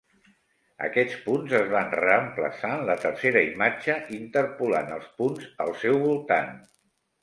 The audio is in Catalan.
Aquests punts es van reemplaçar, en la tercera imatge, interpolant els punts al seu voltant.